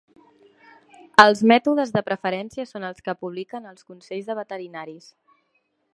Els mètodes de preferència són els que publiquen els consells de veterinaris.